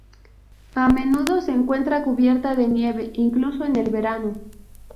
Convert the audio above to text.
A menudo se encuentra cubierta de nieve, incluso en el verano.